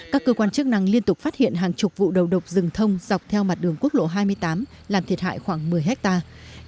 các cơ quan chức năng liên tục phát hiện hàng chục vụ đầu độc rừng thông dọc theo mặt đường quốc lộ hai mươi tám làm thiệt hại khoảng một mươi hectare